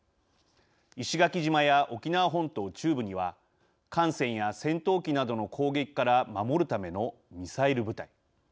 石垣島や沖縄本島中部には艦船や戦闘機などの攻撃から守るためのミサイル部隊。